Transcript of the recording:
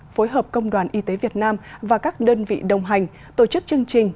phối hợp công đoàn y tế việt nam và các đơn vị đồng hành tổ chức chương trình